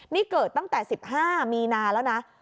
นี่เกิดตั้งแต่๑๕มีนาแล้วนะ